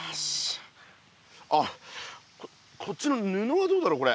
あこっちのぬのはどうだろう？